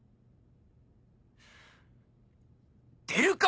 出るか！